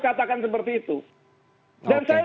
katakan seperti itu dan saya